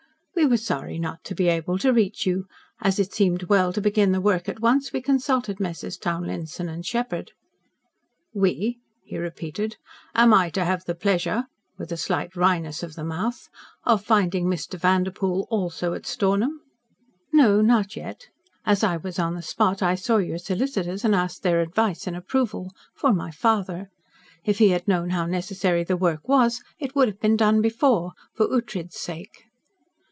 "We were sorry not to be able to reach you. As it seemed well to begin the work at once, we consulted Messrs. Townlinson & Sheppard." "We?" he repeated. "Am I to have the pleasure," with a slight wryness of the mouth, "of finding Mr. Vanderpoel also at Stornham?" "No not yet. As I was on the spot, I saw your solicitors and asked their advice and approval for my father. If he had known how necessary the work was, it would have been done before, for Ughtred's sake."